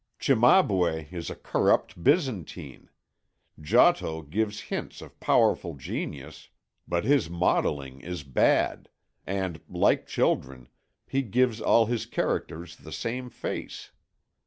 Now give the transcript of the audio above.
Cimabue is a corrupt Byzantine, Giotto gives hints of powerful genius, but his modelling is bad, and, like children, he gives all his characters the same face.